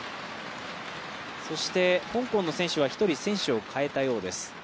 そして香港の選手は１人選手を代えたようです。